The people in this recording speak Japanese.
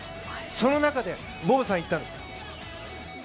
その中でボブさんが言ったんです。